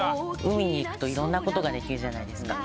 海に行くといろんなことができるじゃないですか。